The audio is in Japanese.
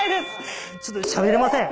ちょっとしゃべれません。